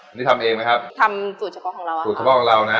อันนี้ทำเองไหมครับทำสูตรเฉพาะของเราสูตรเฉพาะของเรานะ